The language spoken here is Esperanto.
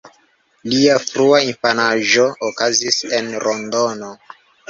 Lia frua infanaĝo okazis en Londono.